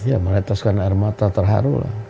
ya meneteskan air mata terharu lah